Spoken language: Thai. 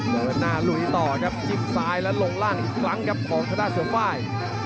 เดี๋ยวแม้ลุยต่อครับจิ้มซ้ายแล้วลงล่างอีกครั้งครับของห้องหน้าเสือฝ่าย